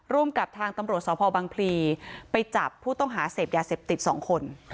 กับทางตำรวจสพบังพลีไปจับผู้ต้องหาเสพยาเสพติด๒คน